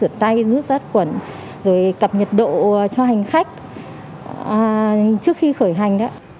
sửa tay nước sát khuẩn rồi cập nhiệt độ cho hành khách trước khi khởi hành